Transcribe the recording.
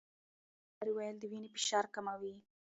ډېر سندرې ویل د وینې فشار کموي.